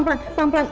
mas mas pelan pelan